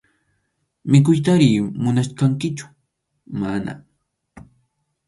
¿Mikhuytari munachkankichu?- Mana.